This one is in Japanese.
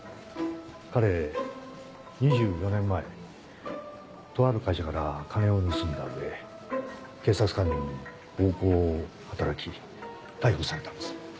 彼２４年前とある会社から金を盗んだ上警察官に暴行を働き逮捕されたんです。